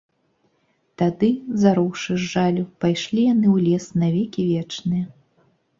Тагды, зароўшы з жалю, пайшлі яны ў лес на векі вечныя.